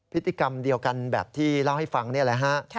พฤติกรรมเดียวกันแบบที่เล่าให้ฟังนี่แหละฮะ